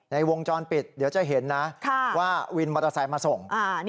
ในวงจรปิดเดี๋ยวจะเห็นนะว่าวินมอเตอร์ไซค์มาส่ง